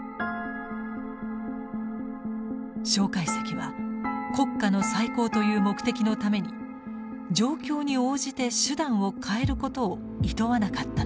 介石は国家の再興という目的のために状況に応じて手段を変えることをいとわなかったのです。